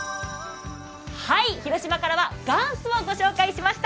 広島からはがんすをご紹介しました。